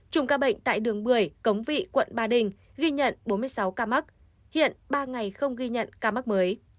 chùm ca bệnh tại đường bưởi cống vị quận ba đình ghi nhận bốn mươi sáu ca mắc hiện ba ngày không ghi nhận ca mắc mới